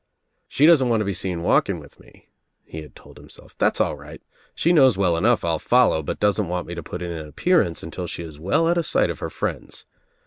"She doesn't want to be seen walking with me," he had told himself, "that's all right. She knows well enough I'll follow but doesn't want me to put in an appearance until she is well out of sight of her friends.